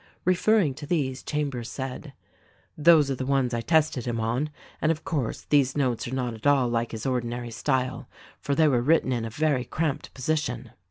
Referring to these, Chambers said, "Those are the ones I tested him on; and of course, these notes are not at all like his ordinary style, for they were written in a very cramped position."